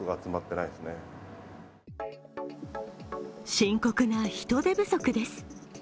深刻な人手不足です。